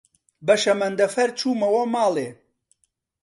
بە شەمەندەفەر چوومەوە ماڵێ.